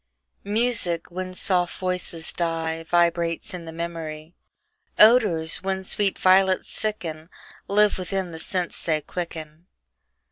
MUSIC, when soft voices die, Vibrates in the memory Odors, when sweet violets sicken, Live within the sense they quicken.